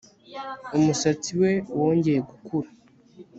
Umusatsi we wongeye gukura